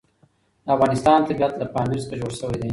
د افغانستان طبیعت له پامیر څخه جوړ شوی دی.